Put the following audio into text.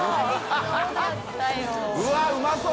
うわっうまそう！